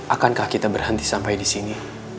akankah kita berhenti sampai di sini